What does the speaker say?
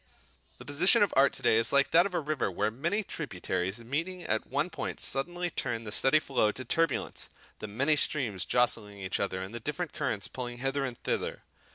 The position of art to day is like that of a river where many tributaries meeting at one point, suddenly turn the steady flow to turbulence, the many streams jostling each other and the different currents pulling hither and thither.